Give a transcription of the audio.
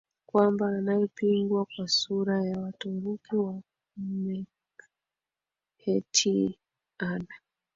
kwamba anayepingwa kwa sura ya Waturuki wa Meskhetian